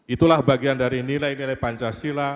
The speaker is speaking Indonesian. itulah bagian dari nilai nilai pancasila